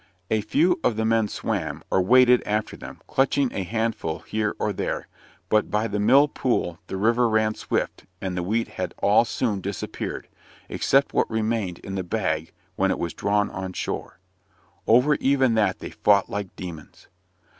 A few of the men swam, or waded after them, clutching a handful here or there but by the mill pool the river ran swift, and the wheat had all soon disappeared, except what remained in the bag when it was drawn on shore. Over even that they fought like demons.